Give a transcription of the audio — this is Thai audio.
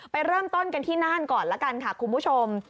ไปเริ่มต้นกันที่น่านก่อนละกันค่ะคุณผู้ชม